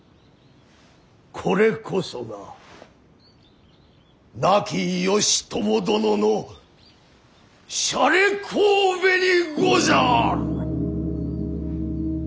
これこそが亡き義朝殿のしゃれこうべにござる！